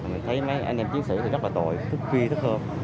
mình thấy mấy anh em chiến sĩ rất là tội thức phi thức hôn